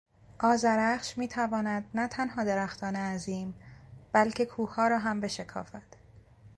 آذرخش میتواند نه تنها درختان عظیم بلکه کوهها را هم بشکافد.